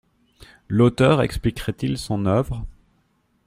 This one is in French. L’auteur expliquerait-il son œuvre ?